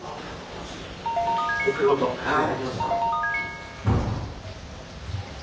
はい。